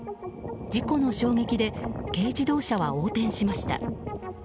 事故の衝撃で軽自動車は横転しました。